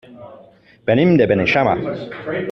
Venim de Beneixama.